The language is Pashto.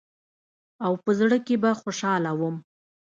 او په زړه کښې به خوشاله وم.